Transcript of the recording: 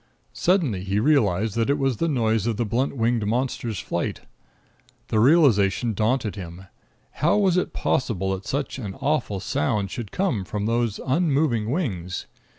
Suddenly he realized that it was the noise of the blunt winged monster's flight. The realization daunted him. How was it possible that such an awful sound should come from those unmoving wings?